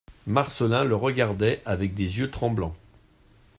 Marcelin le regardait avec des yeux tremblants.